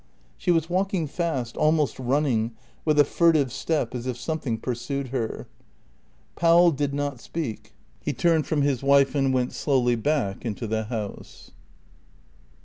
She was walking fast, almost running, with a furtive step, as if something pursued her. Powell did not speak. He turned from his wife and went slowly back into the house.